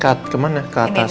kat kemana ke atas